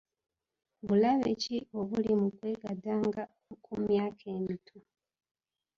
Bulabe ki obuli mu kwegadanga ku myaka emito?